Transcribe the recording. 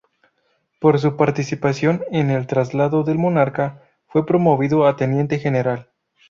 Por su participación en el traslado del monarca, fue promovido a teniente general.